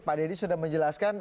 pak dedy sudah menjelaskan